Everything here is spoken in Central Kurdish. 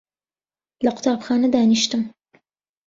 لە قوتابخانە دانیشتم